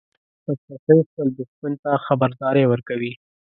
مچمچۍ خپل دښمن ته خبرداری ورکوي